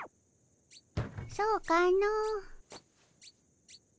そうかの。